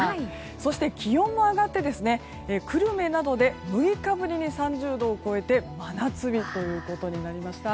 そして気温も上がって久留米などで６日ぶりに３０度を超えて真夏日ということになりました。